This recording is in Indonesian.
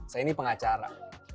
saya ini pengacara